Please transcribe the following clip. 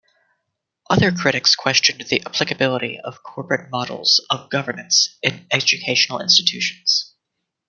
Other critics questioned the applicability of corporate models of governance in educational institutions.